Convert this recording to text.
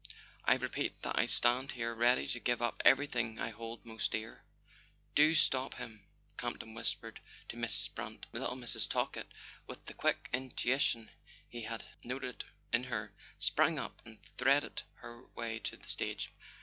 " I repeat that I stand here ready to give up everything I hold most dear " "Do stop him," Campton whispered to Mrs. Brant. Little Mrs. Talkett, with the quick intuition he had noted in her, sprang up and threaded her way to the stage.